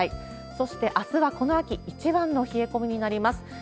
そして、あすはこの秋一番の冷え込みになります。